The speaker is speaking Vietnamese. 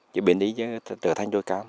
chỉ biến đi trở thành đôi cam